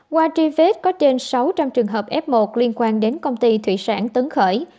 qua truy vết có trên sáu trăm linh trường hợp f một liên quan đến công ty thủy sản tấn khởi